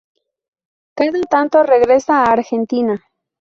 Cada tanto regresa a Argentina.